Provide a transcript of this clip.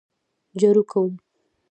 جارو کوم